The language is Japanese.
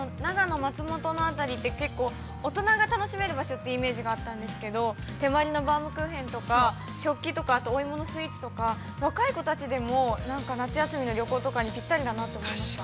◆長野、松本のあたりって、結構、大人が楽しめる場所ってイメージがあったんですけれども、手毬のバウムクーヘンとか、食器とか、若い子たちでも、夏休みの旅行とかにぴったりだなと思いました。